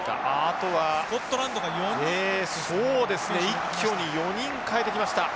一挙に４人代えてきました。